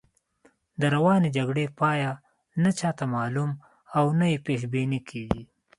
د روانې جګړې پای نه چاته معلوم او نه یې پیش بیني کېږي.